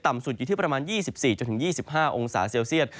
ต่ำสุดอยู่ที่ประมาณ๒๔จนถึง๒๕องศาเซียต